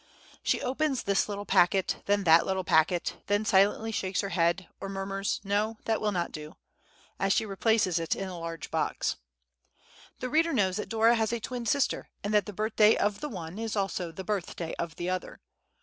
She opens this little packet, then that little packet, then silently shakes her head, or murmurs "No, that will not do," as she replaces it in the large box. The reader knows that Dora has a twin sister, and that the birthday of the one is also the birthday of the other.